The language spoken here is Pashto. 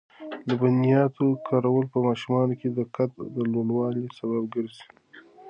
د لبنیاتو کارول په ماشومانو کې د قد د لوړوالي سبب ګرځي.